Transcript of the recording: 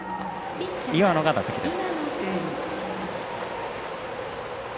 岩野が打席です。